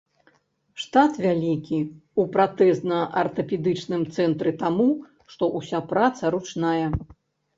Штат вялікі ў пратэзна-артапедычным цэнтры таму, што ўся праца ручная.